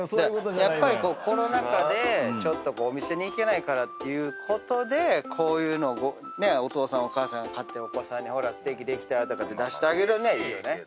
やっぱりコロナ禍でちょっとお店に行けないからっていうことでこういうのをお父さんお母さんが買ってお子さんにステーキできたよとかって出してあげるのにはいいよね。